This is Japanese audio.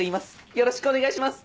よろしくお願いします！